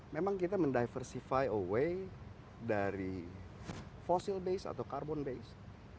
memang kita diversifikasi dari fosil base atau karbon base